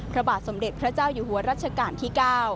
พระบาทสมเด็จพระเจ้าอยู่หัวรัชกาลที่๙